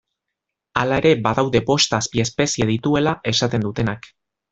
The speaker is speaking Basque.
Hala ere, badaude bost azpiespezie dituela esaten dutenak